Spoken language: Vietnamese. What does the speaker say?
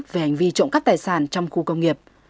về hành vi trộm cắp tài sản trong khu công nghiệp